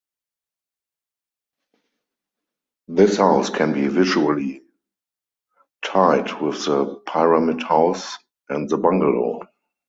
This house can be visually tied with the pyramid house and the bungalow.